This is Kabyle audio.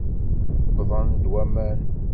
Wwḍen-d waman.